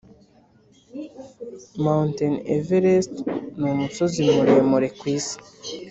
mt. everest numusozi muremure kwisi.